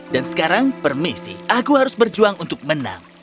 dan sekarang permisi aku harus berjuang untuk menang